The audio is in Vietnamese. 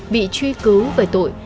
bị truy cứu về tội